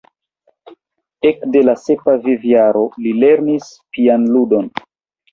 Ekde la sepa vivjaro li lernis pianludon.